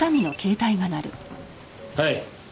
はい。